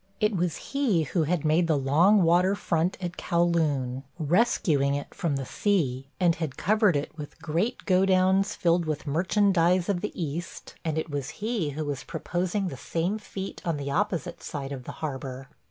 It was he who had made the long water front at Kow Loon, rescuing it from the sea, and had covered it with great godowns filled with merchandise of the East, and it was he who was proposing the same feat on the opposite side of the harbor.